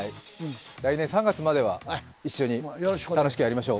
来年３月までは一緒に楽しくやりましょう。